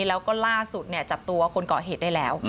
แล้วก็ล่าสุดจับตัวคนก่อเหตุได้แล้ว